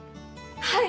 はい！